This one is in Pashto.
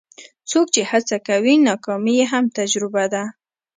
څوک چې هڅه کوي، ناکامي یې هم تجربه ده.